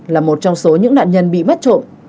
là một trong số những nạn nhân bị mất trộm